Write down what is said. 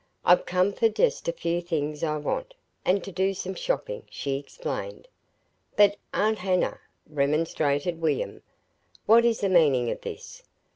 "I've come for just a few things I want, and to do some shopping," she explained. "But Aunt Hannah," remonstrated William, "what is the meaning of this?